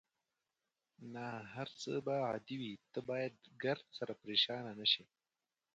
نه، هر څه به عادي وي، ته باید ګردسره پرېشانه نه شې.